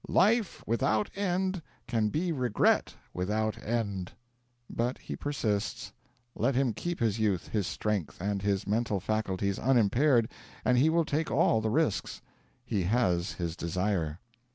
'Life without end can be regret without end.' But he persists: let him keep his youth, his strength, and his mental faculties unimpaired, and he will take all the risks. He has his desire.